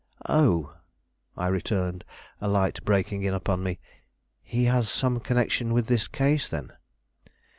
"Oh!" I returned, a light breaking in upon me; "he has some connection with this case, then?"